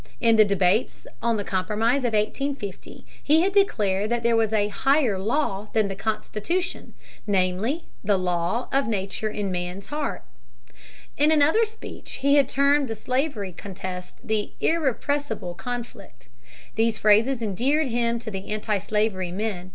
In the debates on the Compromise of 1850 he had declared that there was "a higher law" than the Constitution, namely, "the law of nature in men's hearts." In another speech he had termed the slavery contest "the irrepressible conflict." These phrases endeared him to the antislavery men.